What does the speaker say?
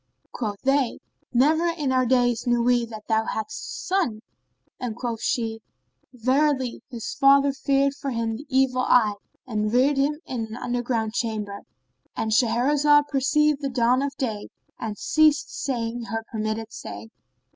"[FN#33] Quoth they, "Never in our days knew we that thou hadst a son"; and quoth she, "Verily his father feared for him the evil eye and reared him in an under ground chamber;"—And Shahrazad perceived the dawn of day and ceased saying her permitted say.